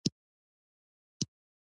کوږ نیت له خېر نه پردی وي